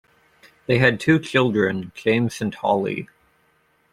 They had two children, James and Holly.